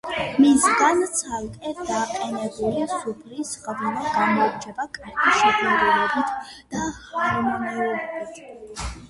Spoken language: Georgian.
მისგან ცალკე დაყენებული სუფრის ღვინო გამოირჩევა კარგი შეფერილობით და ჰარმონიულობით.